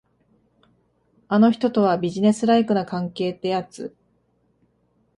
あの人とは、ビジネスライクな関係ってやつ。